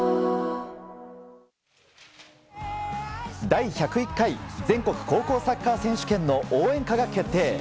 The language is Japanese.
第１０１回全国高校サッカー選手権の応援歌が決定。